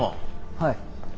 はい。